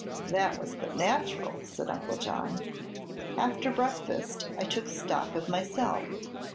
"That was but natural," said Uncle John. "After breakfast I took stock of myself.